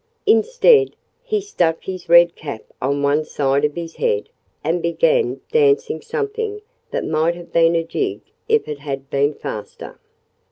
Instead, he stuck his red cap on one side of his head and began dancing something that might have been a jig if it had been faster.